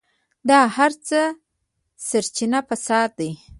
د هر څه سرچينه فساد دی.